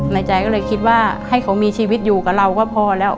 ในใจก็เลยคิดว่าให้เขามีชีวิตอยู่กับเราก็พอแล้ว